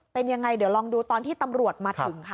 เป็นยังไงเดี๋ยวลองดูตอนที่ตำรวจมาถึงค่ะ